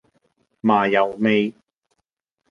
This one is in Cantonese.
麻油味